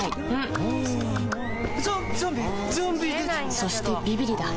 そしてビビリだ